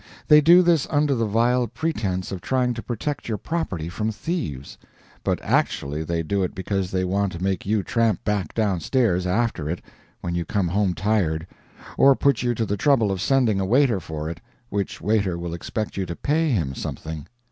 They do this under the vile pretense of trying to protect your property from thieves; but actually they do it because they want to make you tramp back down stairs after it when you come home tired, or put you to the trouble of sending a waiter for it, which waiter will expect you to pay him something.